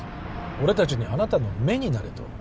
俺たちにあなたの目になれと？